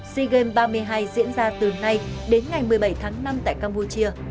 sea games ba mươi hai diễn ra từ nay đến ngày một mươi bảy tháng năm tại campuchia